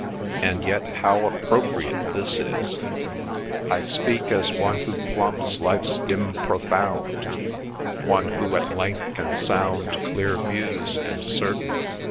And yet how appropriate this is: I speak as one who plumbs Life's dim profound, One who at length can sound Clear views and certain.